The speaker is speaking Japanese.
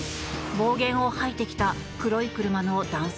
暴言を吐いてきた黒い車の男性